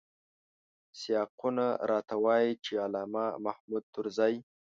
سیاقونه راته وايي چې علامه محمود طرزی.